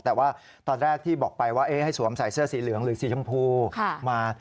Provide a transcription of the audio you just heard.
แต่ว่าตอนแรกที่บอกไปว่าให้สวมใส่เสื้อสีเหลืองหรือสีชมพูมา